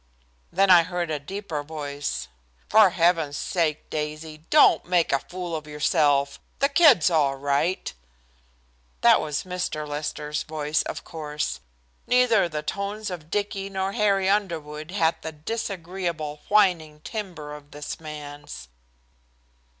Then I heard a deeper voice. "For heaven's sake, Daisy, don't make a fool of yourself. The kid's all right." That was Mr. Lester's voice, of course. Neither the tones of Dicky nor Harry Underwood had the disagreeable whining timbre of this man's.